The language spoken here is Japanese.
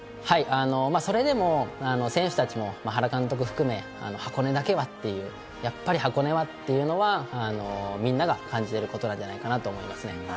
それでも選手たちも原監督含め箱根だけはというやっぱり箱根はっていうのはみんなが感じていることなんじゃないかなと思います。